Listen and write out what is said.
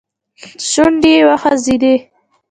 شونډې يې وخوځېدې.